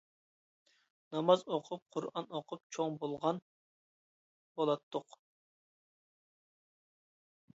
ناماز ئوقۇپ، قۇرئان ئوقۇپ چوڭ بولغان بولاتتۇق.